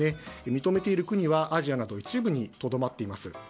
認めている国はアジアなど一部にとどまっています。